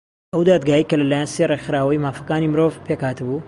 ئەو دادگایە کە لەلایەن سێ ڕێکخراوەی مافەکانی مرۆڤ پێک هاتبوو